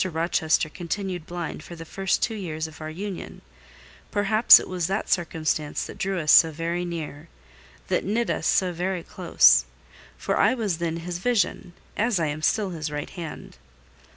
Rochester continued blind the first two years of our union; perhaps it was that circumstance that drew us so very near—that knit us so very close: for I was then his vision, as I am still his right hand.